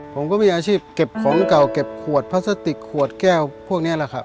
ผมก็มีอาชีพเก็บของเก่าเก็บขวดพลาสติกขวดแก้วพวกนี้แหละครับ